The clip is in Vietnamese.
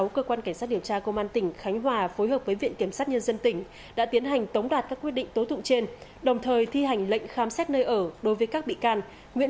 cơ quan cảnh sát điều tra công an tỉnh khánh hòa đã ra quyết định khởi tố bị can lệnh bắt tạm giam đối với các dự án trên